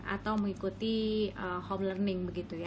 atau mengikuti home learning